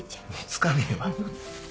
付かねえわ。